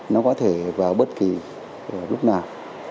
nó có thể vào bất kỳ lúc nào